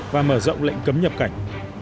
và mở rộng lệnh cấm nhập cảnh